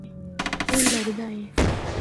اے لگدا اے۔